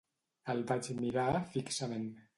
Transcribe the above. El vaig mirar fixament.